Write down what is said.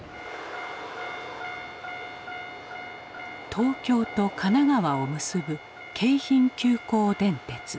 東京と神奈川を結ぶ京浜急行電鉄。